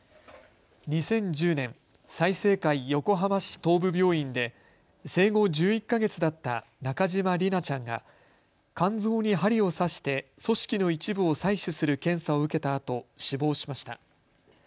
２０１０年、済生会横浜市東部病院で生後１１か月だった中島莉奈ちゃんが肝臓に針を刺して組織の一部を採取する検査を受けたあと死亡しました。